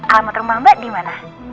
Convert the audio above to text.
alamat rumah mbak dimana